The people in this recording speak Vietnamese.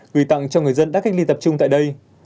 quy tặng cho người dân đã cách ly tập trung tại đây